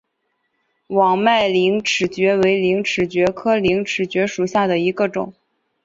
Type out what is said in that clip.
网脉陵齿蕨为陵齿蕨科陵齿蕨属下的一个种。